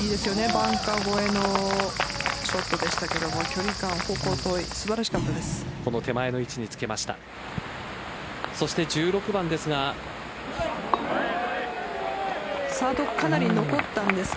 バンカー越えのショットでしたが距離感、方向といい素晴らしかったです。